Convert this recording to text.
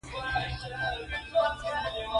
بیزو د خپل قوت له امله ځان ساتي.